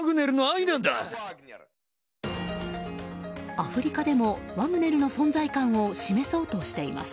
アフリカでも、ワグネルの存在感を示そうとしています。